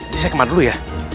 jadi saya kemar dulu ya